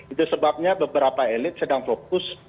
itu sebabnya beberapa elit sedang fokus